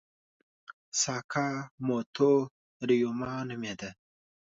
ساکاموتو ریوما نومېده.